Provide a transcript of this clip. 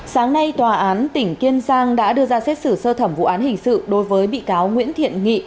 sáng nay tòa án tỉnh kiên giang đã đưa ra xét xử sơ thẩm vụ án hình sự đối với bị cáo nguyễn thiện nghị